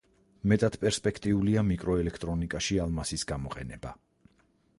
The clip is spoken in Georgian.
მეტად პერსპექტიულია მიკროელექტრონიკაში ალმასის გამოყენება.